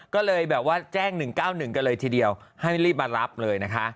ก็เลยแบบว่าแจ้ง๑๙๑กันเลยทีเดียวให้รีบมารับเลยนะคะ